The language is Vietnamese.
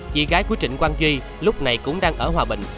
chị gái của trịnh quang duy lúc này cũng đang ở hòa bình